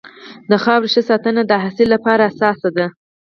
د خاورې ښه ساتنه د حاصل لپاره اساسي ده.